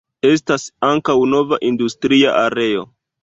Estas ankaŭ nova industria areo.